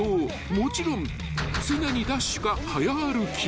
［もちろん常にダッシュか早歩き］